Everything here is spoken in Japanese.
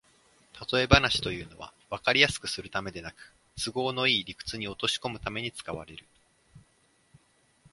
たとえ話というのは、わかりやすくするためではなく、都合のいい理屈に落としこむために使われる